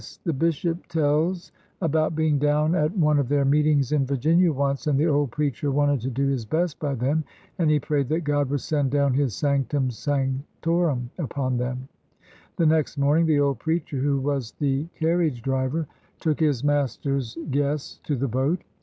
The bishop tells about being down at one of their meetings in Virginia once, and the old preacher wanted to do his best by them, and he prayed that God would send down His ' sanctum sanctorum ' upon them. The next morning the old preacher (who was the car riage driver) took his master's guests to the boat.